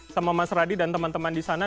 sama mas radi dan teman teman di sana